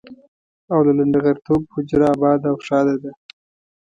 او د لنډه غرتوب حجره اباده او ښاده ده.